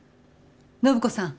暢子さん。